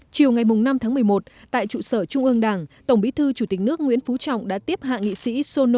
chiều ngày năm tháng một mươi một tại trụ sở trung ương đảng tổng bí thư chủ tịch nước nguyễn phú trọng đã tiếp hạ nghị sĩ sono